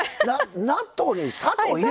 納豆に砂糖入れます？